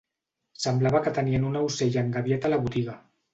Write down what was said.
Semblava que tenien un aucell engabiat a la botiga.